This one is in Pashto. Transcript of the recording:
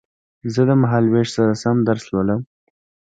زه د مهال وېش سره سم درس لولم